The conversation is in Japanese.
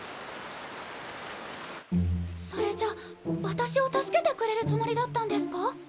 それじゃ私を助けてくれるつもりだったんですか？